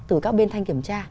từ các bên thanh kiểm tra